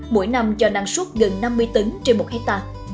mỗi năm cho năng suất gần năm mươi tấn trên một hectare